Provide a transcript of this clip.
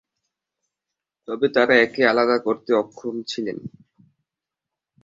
তবে তারা একে আলাদা করতে অক্ষম ছিলেন।